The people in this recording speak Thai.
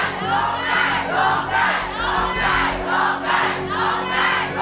ลูกแก่ลูกแก่ลูกแก่ลูกแก่ลูกแก่ลูกแก่